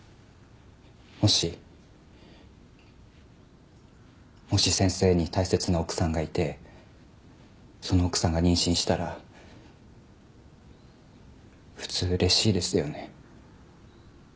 もしもし先生に大切な奥さんがいてその奥さんが妊娠したら普通嬉しいですよね。